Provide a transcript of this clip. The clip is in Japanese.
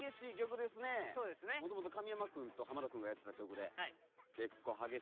もともと神山くんと田くんがやってた曲で。